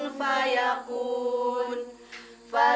minhalah patient brain